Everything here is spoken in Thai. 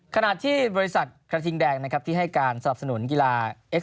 ขณะที่บริษัทกระทิงแดงที่ให้การสามารถสนุนกล้า